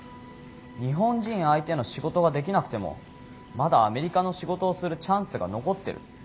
日本人相手の仕事はできなくてもまだアメリカの仕事をするチャンスが残ってる。